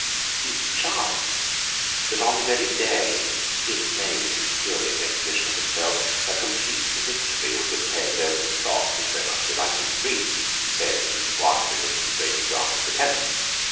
It chanced that on the very day when the King made this curious exhibition of himself, a complete victory was obtained over the Scots; which very much delighted the Priests, who said that it was won because of his great example of repentance.